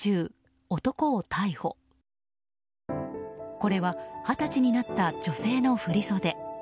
これは二十歳になった女性の振り袖。